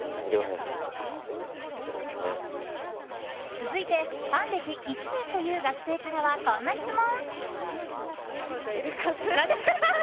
続いてファン歴１年という学生からはこんな質問。